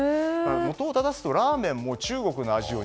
元をただすと、ラーメンも中国の味を